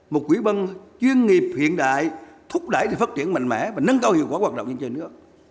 một ủy ban chuyên nghiệp hiện đại thúc đẩy phát triển mạnh mẽ và nâng cao hiệu quả hoạt động như trên nước